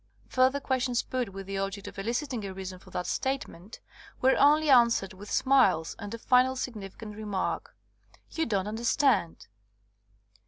'' Further questions put with the object of eliciting a reason for that statement were only answered with smiles and a final sig nificant remark, *'You don't understand."